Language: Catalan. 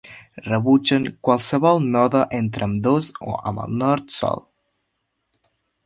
Rebutgen qualsevol node entre ambdós o amb el Nord sol.